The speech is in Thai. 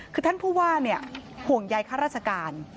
คือท่านผู้ว่าห่วงใยข้าราชการ